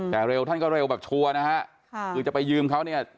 แต่เร็วท่านก็เร็วแบบชัวร์นะฮะค่ะคือจะไปยืมเขาเนี่ย